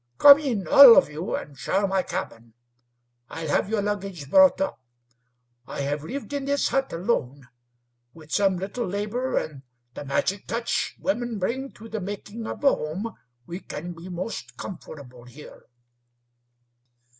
Come in, all of your, and share my cabin. I'll have your luggage brought up. I have lived in this hut alone. With some little labor, and the magic touch women bring to the making of a home, we can be most comfortable here."